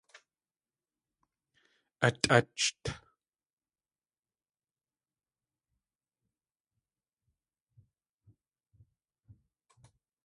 Atʼácht.